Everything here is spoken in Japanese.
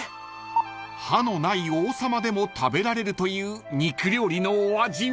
［歯のない王様でも食べられるという肉料理のお味は？］